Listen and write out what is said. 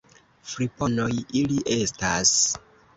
Friponoj ili estas!